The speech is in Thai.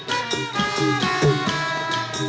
โอ้โหโอ้โหโอ้โหโอ้โห